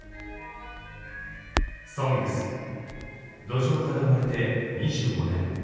「ＳＯＮＧＳ」路上から生まれて２５年。